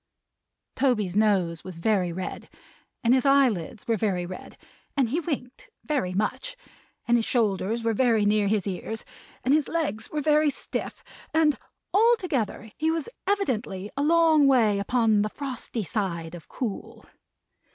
Toby's nose was very red, and his eyelids were very red, and he winked very much, and his shoulders were very near his ears, and his legs were very stiff, and altogether he was evidently a long way upon the frosty side of cool.